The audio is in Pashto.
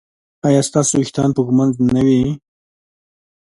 ایا ستاسو ویښتان به ږمنځ نه وي؟